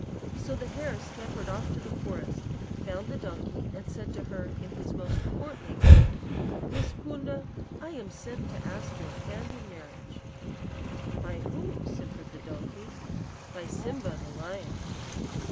"So the hare scampered off to the forest, found the donkey, and said to her, in his most courtly manner, 'Miss Poonda, I am sent to ask your hand in marriage.' "'By whom?' simpered the donkey. "'By Simba, the lion.'